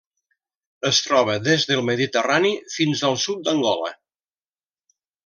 Es troba des del Mediterrani fins al sud d'Angola.